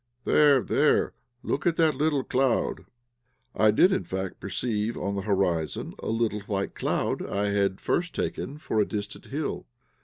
"There, there; look, that little cloud!" I did, in fact, perceive on the horizon a little white cloud which I had at first taken for a distant hill.